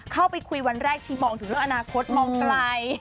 เข้าไปคุยวันแรกที่มองถึงเรื่องอนาคตมองไกล